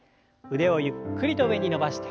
腕をゆっくりと上に伸ばして。